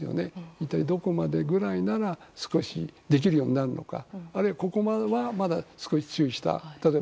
一体どこまでくらいなら少しできるようになるのかあるいは、ここまではまだ少し注意したほうがいい